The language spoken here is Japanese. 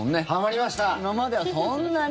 今までは、そんなに。